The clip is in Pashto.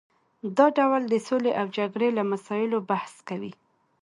دا ډول د سولې او جګړې له مسایلو بحث کوي